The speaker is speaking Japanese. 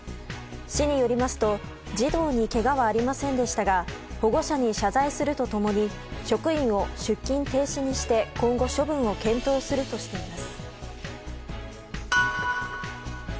市によりますと児童にけがはありませんでしたが保護者に謝罪すると共に職員を出勤停止しにして今後、処分を検討するとしています。